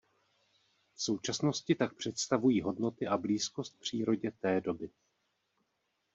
V současnosti tak představují hodnoty a blízkost přírodě té doby.